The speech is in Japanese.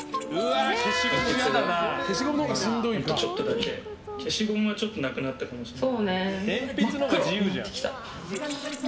ちょっとだけ消しゴムはちょっとなくなったかもしれない。